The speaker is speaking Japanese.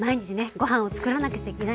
ご飯をつくらなくちゃいけない。